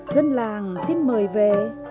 dân làng xin mời về